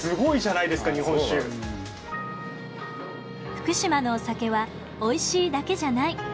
福島のお酒はおいしいだけじゃない。